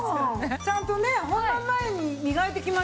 ちゃんとね本番前に磨いてきましたよ。